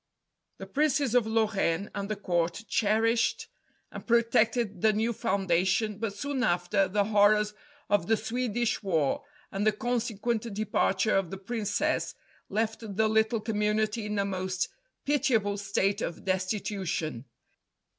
The Princes of Lorraine, and the Court, cherished and protected the new foundation, but soon after, the horrors of the Swedish war and the consequent departure of the Princess, left the little Community in a most pitiable state of destitution.